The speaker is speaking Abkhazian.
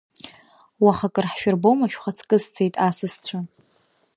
Уаха акыр ҳшәырбома шәхаҵкы сцеит асасцәа?